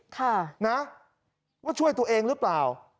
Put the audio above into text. ค่ะนะว่าช่วยตัวเองหรือเปล่า